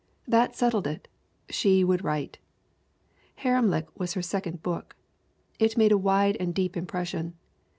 That settled it. She would write. Haremlik was her second book. It made a wide and deep impression.